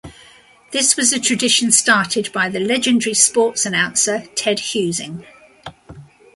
This was a tradition started by the legendary sports announcer Ted Husing.